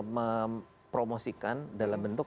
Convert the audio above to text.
mempromosikan dalam bentuk